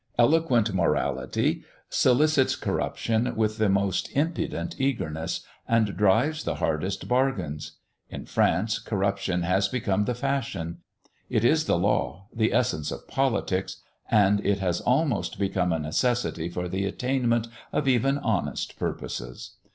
Eloquent morality solicits corruption with the most impudent eagerness, and drives the hardest bargains. In France corruption has become the fashion; it is the law, the essence of politics, and it has almost become a necessity for the attainment of even honest purposes.